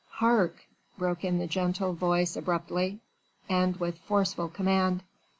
"Hark!" broke in the gentle voice abruptly and with forceful command.